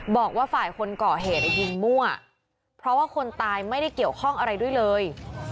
บอกว่าฝ่ายคนก่อเหตุยิงมั่วเพราะว่าคนตายไม่ได้เกี่ยวข้องอะไรด้วยเลย